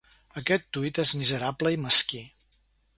Aquest tuit és miserable i mesquí.